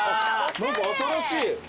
何か新しい。